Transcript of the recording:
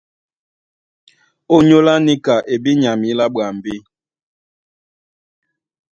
ÓnyÓlá níka e bí nya mǐlá ɓwambí?